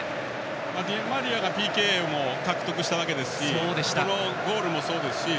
ディマリアがＰＫを獲得したわけですし今のゴールもそうですし。